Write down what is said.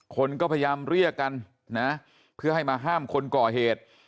คนก็พยายามเรียกกันนะเพื่อให้มาห้ามคนก่อเหตุ